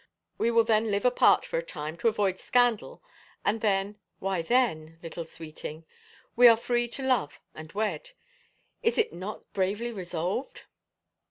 We will then live apart for a time to avoid scandal and then, why then,, little Sweeting, we are free to love and wed! Is it not bravely resolved